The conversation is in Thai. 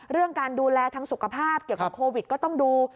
เรื่องการดูแลทางสุขภาพเกี่ยวกับโควิดก็ต้องดู